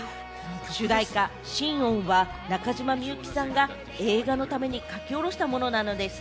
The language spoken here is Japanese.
主題歌『心音』は中島みゆきさんが映画のために書き下ろしたものなんです。